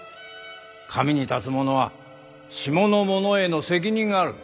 上に立つものは下のものへの責任がある。